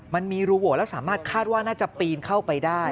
มันมีรูโหวแล้วสามารถคาดว่าน่าจะปีนเข้าไปได้